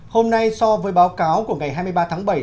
hôm nay so với báo cáo của ngày hai mươi ba tháng bảy